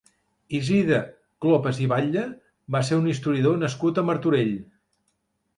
Isidre Clopas i Batlle va ser un historiador nascut a Martorell.